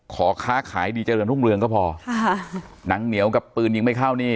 ขอค้าขายดีเจริญรุ่งเรืองก็พอค่ะหนังเหนียวกับปืนยิงไม่เข้านี่